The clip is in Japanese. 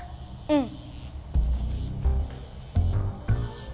うん！